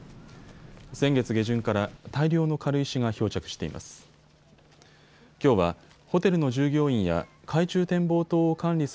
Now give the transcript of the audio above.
先月下旬から大量の軽石が漂着しています。